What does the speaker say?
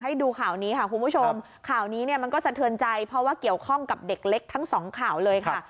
ให้ดูข่าวนี้ค่ะคุณผู้ชมข่าวนี้เนี่ยมันก็สะเทือนใจเพราะว่าเกี่ยวข้องกับเด็กเล็กทั้งสองข่าวเลยค่ะ